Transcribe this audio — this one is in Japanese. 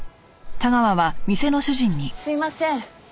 すいません。